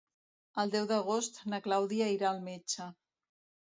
El deu d'agost na Clàudia irà al metge.